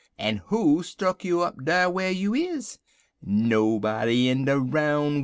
En who stuck you up dar whar you iz? Nobody in de roun' worl'.